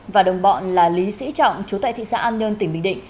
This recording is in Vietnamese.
và đồng bọn là lý sĩ trọng chú tại thị xã an nhơn tỉnh bình định